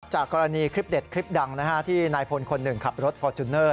จากกรณีคลิปเด็ดคลิปดังที่นายพลคนหนึ่งขับรถฟอร์จูเนอร์